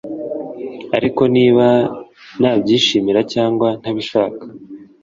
ariko niba nabyishimira cyangwa ntabishaka ...